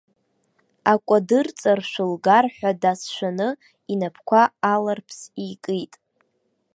Акәадырҵаршә лгар ҳәа дацәшәаны, инапқәа аларԥс икит.